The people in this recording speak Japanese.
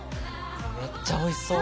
めっちゃおいしそう！